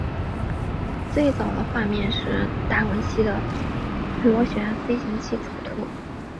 最早的画面是达文西的螺旋飞行器草图。